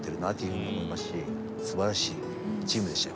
すばらしいチームでしたよ。